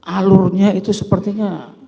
alurnya itu sepertinya